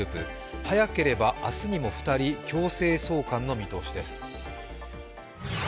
早ければ明日にも２人、強制送還の見通しです。